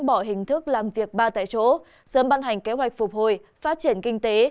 bỏ hình thức làm việc ba tại chỗ sớm ban hành kế hoạch phục hồi phát triển kinh tế